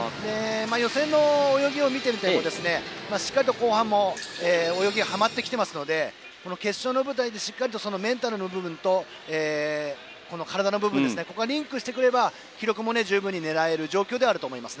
予選の泳ぎを見ているとしっかりと後半も泳ぎはまってきていますので決勝の舞台でしっかりと、メンタルの部分と体の部分がリンクしてくれば記録も十分狙える状態だと思います。